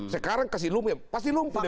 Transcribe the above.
sekarang pasti lumpuh